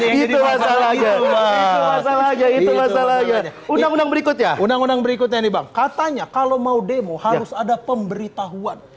berikutnya undang undang berikutnya nih bang katanya kalau mau demo harus ada pemberitahuan